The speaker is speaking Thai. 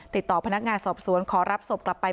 ติดต่อพนักงานสอบสวนขอรับศพกลับไป